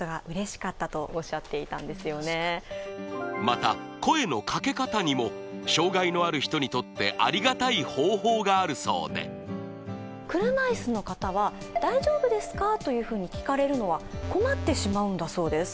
また声のかけ方にも障がいのある人にとってありがたい方法があるそうで車いすの方は「大丈夫ですか？」というふうに聞かれるのは困ってしまうんだそうです